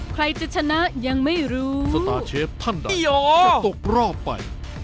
ใครจะชนะยังไม่รู้สตาร์เชฟท่านใดจะตกรอบไป